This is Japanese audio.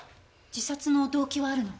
自殺の動機はあるの？